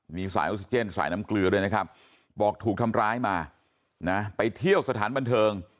มีสายออกซิเจนสายน้ำเกลือด้วยนะครับบอกถูกทำร้ายมานะไปเที่ยวสถานบันเทิง